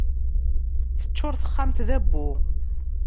Teččur texxamt d abbu.